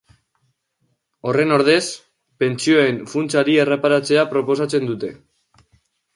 Horren ordez, pentsioen funtsari erreparatzea proposatzen dute.